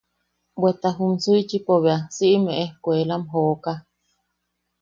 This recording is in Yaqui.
Bweta juum Suichipo bea siʼime ejkuelam jokaa.